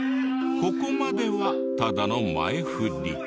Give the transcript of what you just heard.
ここまではただの前フリ。